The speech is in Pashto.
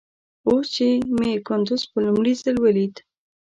اوس چې مې کندوز په لومړي ځل وليد.